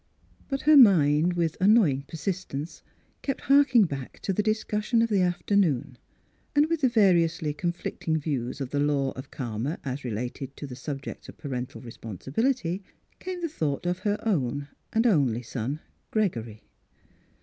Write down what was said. But her mind with annoying persistence kept harking back to the discussion of the afternoon. And with the variously con flicting views of the Law of Karma as re lated to the subject of Parental Responsi bility came the thought of her own and only son, Gregory.